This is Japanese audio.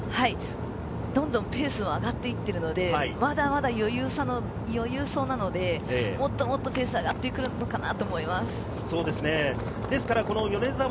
どんどんペースは上がっていっているので、まだまだ余裕そうなので、もっともっとペースが上がってくるのかなと思います。